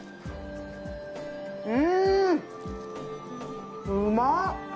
うんうまっ！